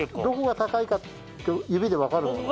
どこが高いか指でわかる。